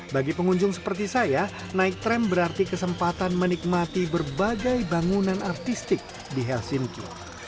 bagi pengunjung seperti saya naik tram berarti kesempatan menikmati berbagai bangunan artistik di helsinkyu